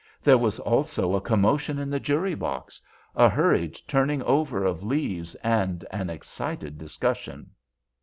There was also a commotion in the jury box, a hurried turning over of leaves, and an excited discussion.